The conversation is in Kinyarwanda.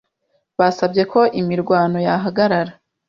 Basabye ko imirwano yahagarara.